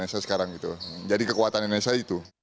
iya yang di nsa sekarang gitu jadi kekuatan nsa itu